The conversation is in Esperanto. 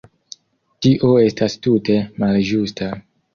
Tio estas tute malĝusta.